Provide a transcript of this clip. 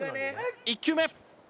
１球目。